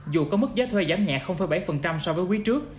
dù có mức giá thuê giảm nhẹ bảy so với quý trước